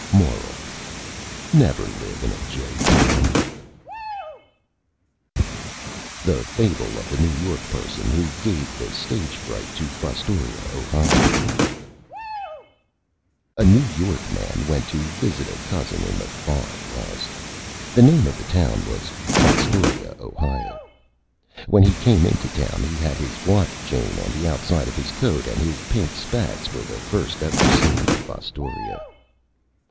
MORAL: Never Live in a Jay Town. THE FABLE OF THE NEW YORK PERSON WHO GAVE THE STAGE FRIGHT TO FOSTORIA, OHIO A New York man went to visit a Cousin in the Far West. The name of the Town was Fostoria, Ohio. When he came into Town he had his Watch Chain on the outside of his Coat, and his Pink Spats were the first ever seen in Fostoria.